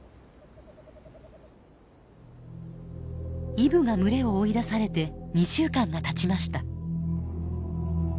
イブが群れを追い出されて２週間がたちました。